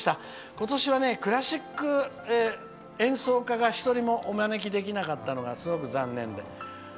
今年はクラシック演奏家を１人もお招きできなかったのがすごく残念で。